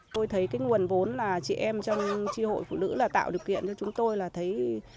tôi thấy cái nguồn vốn là chị em trong tri hội phụ nữ là tạo điều kiện cho chúng tôi là thấy